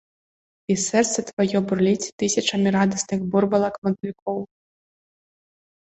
І сэрца тваё бурліць тысячамі радасных бурбалак-матылькоў!